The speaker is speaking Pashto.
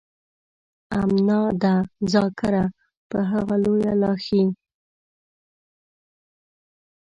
امنا ده ذاکره په هغه لويه لاښي.